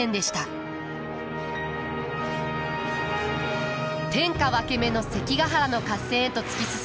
天下分け目の関ヶ原の合戦へと突き進む家康と家臣団。